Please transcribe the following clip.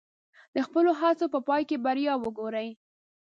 د خپلو هڅو په پای کې بریا وګورئ.